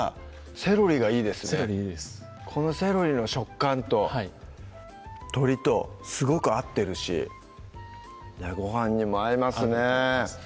セロリいいですこのセロリの食感と鶏とすごく合ってるしごはんにも合いますね